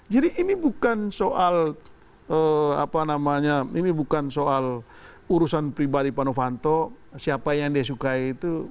jadi ini bukan soal urusan pribadi pak novanto siapa yang dia sukai itu